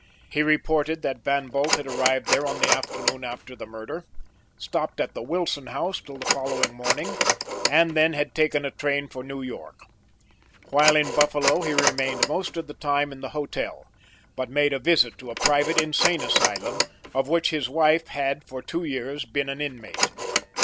He reported that Van Bult had arrived there on the afternoon after the murder, stopped at the Wilson House till the following morning, and had then taken a train for New York. While in Buffalo he remained most of the time in the hotel, but made a visit to a private insane asylum, of which his wife had for two years been an inmate.